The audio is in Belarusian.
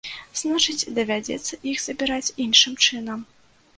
Значыць, давядзецца іх забіраць іншым чынам.